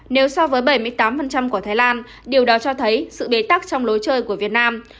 nếu so với bảy mươi tám của thái lan điều đó cho thấy sự bế tắc trong lối chơi của việt nam